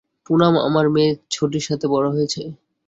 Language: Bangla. পুনাম আমার মেয়ে ছোটির সাথে বড় হয়েছে।